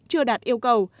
chưa đạt yêu cầu